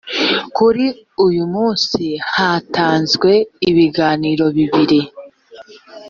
kuri uyu munsi hatanzwe ibiganiro bibiri